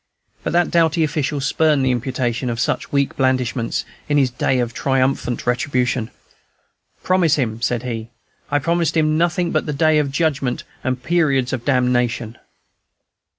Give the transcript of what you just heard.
But that doughty official spurned the imputation of such weak blandishments, in this day of triumphant retribution. "Promise him!" said he, "I promised him nothing but the Day of Judgment and Periods of Damnation!"